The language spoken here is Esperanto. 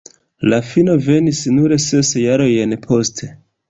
La fino venis nur ses jarojn poste.